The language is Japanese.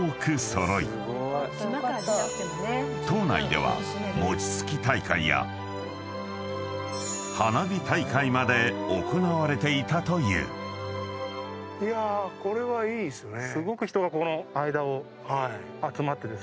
［島内では餅つき大会や花火大会まで行われていたという］ですよね。